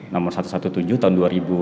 nomor satu ratus tujuh belas tahun dua ribu dua